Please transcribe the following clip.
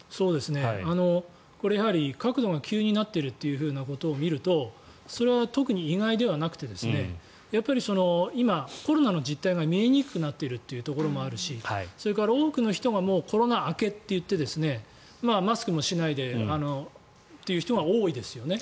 これ、やはり角度が急になっているということを見るとそれは特に意外ではなくてやっぱり今、コロナの実態が見えにくくなっているところもあるしそれから多くの人がもうコロナ明けと言ってマスクもしないでという人が多いですよね。